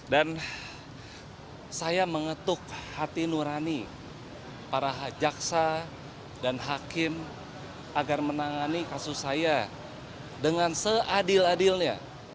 dan saya mengetuk hati nurani para jaksa dan hakim agar menangani kasus saya dengan seadil adilnya